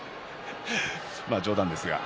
冗談ですが。